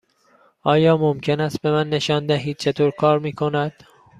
آیا ممکن است به من نشان دهید چطور کار می کند؟